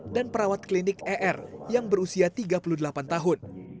dan perawat klinik er yang berusia tiga puluh delapan tahun